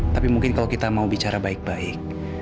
tapi mungkin kalau kita mau bicara baik baik